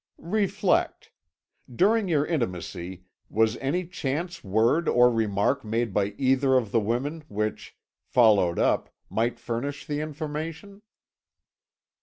"Reflect. During your intimacy, was any chance word or remark made by either of the women which, followed up, might furnish the information?"